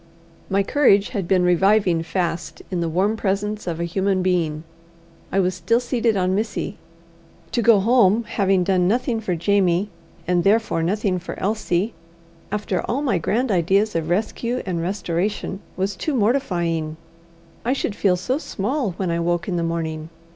My courage had been reviving fast in the warm presence of a human being. I was still seated on Missy. To go home having done nothing for Jamie, and therefore nothing for Elsie, after all my grand ideas of rescue and restoration, was too mortifying. I should feel so small when I woke in the morning!